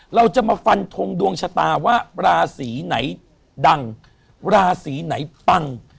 เราจะมาฟันทงดวงชะตาว่าราศีไหนดังราศีไหนปัง